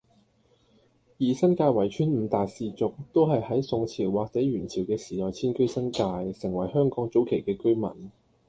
而新界圍村五大氏族，都係喺宋朝或者元朝嘅時代遷居新界，成為香港早期嘅居民